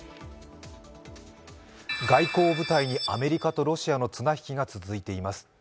外交舞台に、アメリカとロシアの綱引きが続いています。